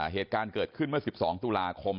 เหตุการณ์เกิดขึ้นเมื่อ๑๒ตุลาคม